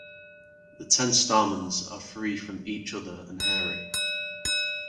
The ten stamens are free from each other and hairy.